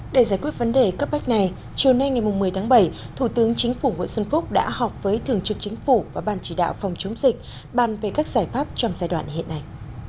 để giải quyết vấn đề cấp bách này chiều nay ngày một mươi tháng bảy thủ tướng chính phủ nguyễn xuân phúc đã họp với thường trực chính phủ và ban chỉ đạo phòng chống dịch bàn về các giải pháp trong giai đoạn hiện nay